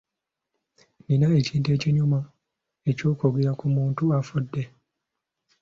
Nina ekintu ekinyuma eky'okwogera ku muntu afudde.